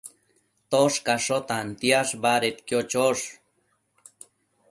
Toshcasho tantiash badedquio chosh